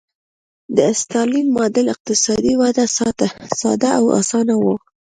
د ستالین ماډل اقتصادي وده ساده او اسانه وه